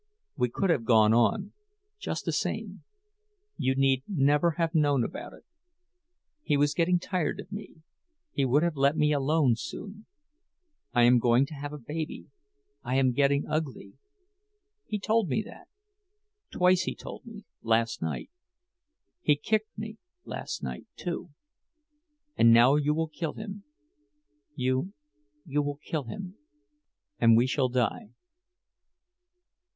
We could have gone on—just the same—you need never have known about it. He was getting tired of me—he would have let me alone soon. I am going to have a baby—I am getting ugly. He told me that—twice, he told me, last night. He kicked me—last night—too. And now you will kill him—you—you will kill him—and we shall die."